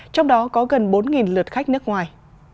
trong đó có gần bốn lượt khách nước ngoài